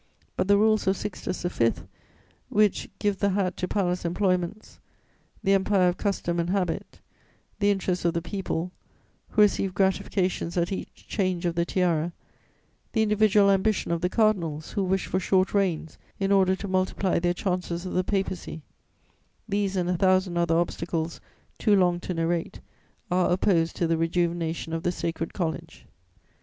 But the rules of Sixtus V., which give the hat to palace employments, the empire of custom and habit, the interests of the people, who receive gratifications at each change of the tiara, the individual ambition of the cardinals, who wish for short reigns in order to multiply their chances of the papacy, these and a thousand other obstacles too long to narrate are opposed to the rejuvenation of the Sacred College.